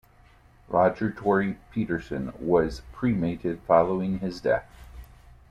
Roger Tory Peterson was cremated following his death.